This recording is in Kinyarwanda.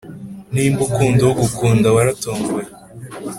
Nimba ukunda ugukunda waratomboye